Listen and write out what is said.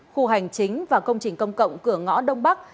khu hành chính và công trình công cộng cửa ngõ đông bắc